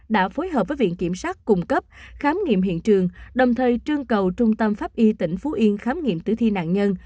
đã phối hợp với viện kiểm sát cung cấp khám nghiệm hiện trường đồng thời trương cầu trung tâm pháp y tỉnh phú yên khám nghiệm tử thi nạn nhân